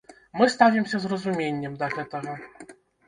Мы ставімся з разуменнем да гэтага.